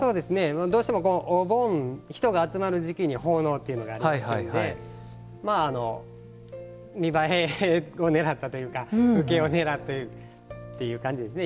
どうしても、お盆人が集まる時期に奉納というのがありますんで見栄えをねらったというか受けをねらってという感じですね。